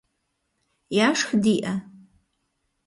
Яшх диӏэ?